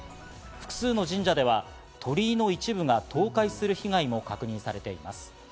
複数の神社では鳥居の一部が倒壊する被害も確認されています。